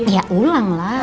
ya ulang lah